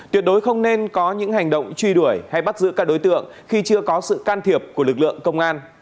tuyệt đối không nên có những hành động truy đuổi hay bắt giữ các đối tượng khi chưa có sự can thiệp của lực lượng công an